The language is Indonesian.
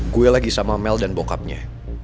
gue lagi sama mel dan bokapnya